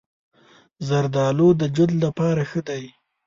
زردالو د جلد لپاره ښه دی.